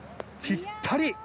ぴったり！